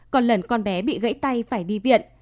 còn lần con bé bị gãy tay phải đi viện